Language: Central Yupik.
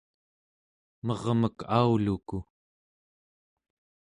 mermek auluku